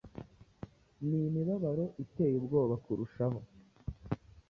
N'imibabaro iteye ubwoba kurushaho